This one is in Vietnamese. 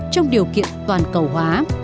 trong điều kiện toàn cầu hóa